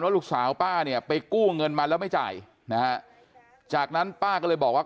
ลูกสาวป้าเนี่ยไปกู้เงินมาแล้วไม่จ่ายนะฮะจากนั้นป้าก็เลยบอกว่า